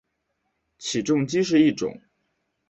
起重机是一种。